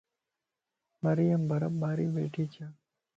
مريءَ مَ برف باري ٻھڻي چھهَ